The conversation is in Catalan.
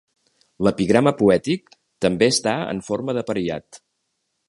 L'epigrama poètic també està en forma d'apariat.